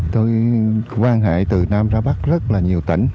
tôi quan hệ từ nam ra bắc rất là nhiều tỉnh